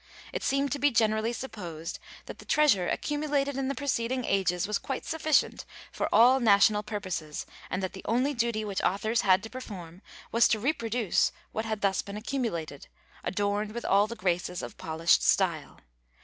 It seemed to be generally supposed that the treasure accumulated in the preceding ages was quite sufficient for all national purposes and that the only duty which authors had to perform was to reproduce what had thus been accumulated, adorned with all the graces of polished style.